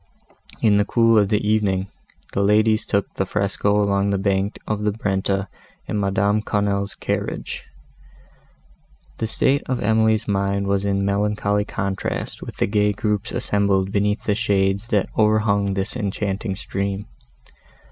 In the cool of the evening, the ladies took the fresco along the bank of the Brenta in Madame Quesnel's carriage. The state of Emily's mind was in melancholy contrast with the gay groups assembled beneath the shades that overhung this enchanting stream.